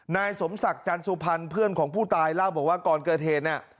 นายสมศักดิ์จันสุพรรณเพื่อนของผู้ตายเล่าบอกว่าก่อนเกิดเหตุเนี่ย